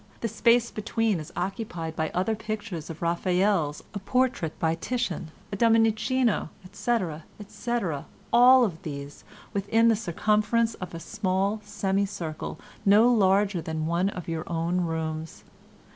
. The space between is occupied by other pictures of Raphael's, a portrait by Titian, a Domenichino, etc., etc., all these within the circumference of a small semi circle no larger than one of your own rooms.